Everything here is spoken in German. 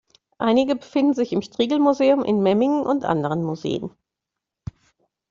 Einige befinden sich im Strigel-Museum in Memmingen und anderen Museen.